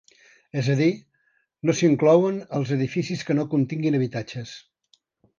És a dir, no s'inclouen els edificis que no continguin habitatges.